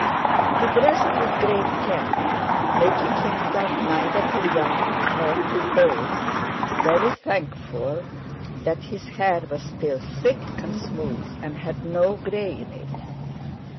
He dressed with great care, making himself neither too young nor too old, very thankful that his hair was still thick and smooth and had no grey in it.